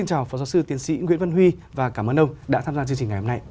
chào phó giáo sư tiến sĩ nguyễn văn huy và cảm ơn ông đã tham gia chương trình ngày hôm nay